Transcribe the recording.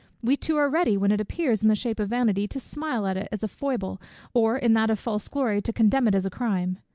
We too are ready, when it appears in the shape of vanity, to smile at it as a foible, or in that of false glory, to condemn it as a crime.